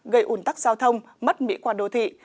gây ủn tắc giao thông mất mỹ quan đô thị